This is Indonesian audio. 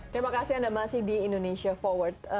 terima kasih anda masih di indonesia forward